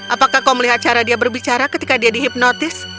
apakah kau melihat cara dia berbicara ketika dia dihipnotis